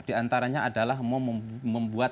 diantaranya adalah membuat